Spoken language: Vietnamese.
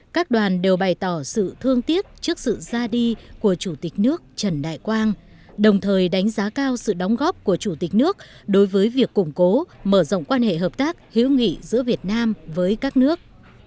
các đoàn đều bày tỏ sự thương tiếc trước sự ra đi của chủ tịch nước trần đại quang đồng thời đánh giá cao sự đóng góp của chủ tịch nước đối với việc củng cố mở rộng quan hệ hợp tác hữu nghị giữa việt nam với các nước